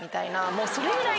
もうそれぐらい。